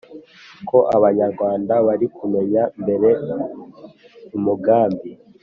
ko abanyarwanda barikumenya mbere umugambi